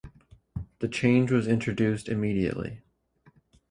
The change was introduced immediately.